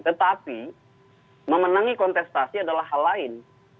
tetapi memenangi kontestasi adalah hal lain